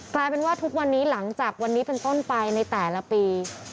กลายเป็นว่าทุกวันนี้หลังจากวันนี้เป็นต้นไปในแต่ละปี